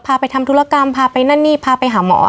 พาไปทำธุรกรรมพาไปนั่นนี่พาไปหาหมอ